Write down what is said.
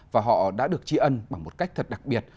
và họ đã được tri ân bằng một cách thật đặc biệt